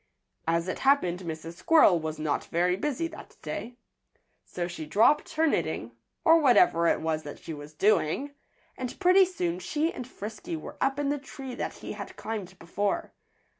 As it happened, Mrs. Squirrel was not very busy that day, so she dropped her knitting, or whatever it was that she was doing, and pretty soon she and Frisky were up in the tree that he had climbed before.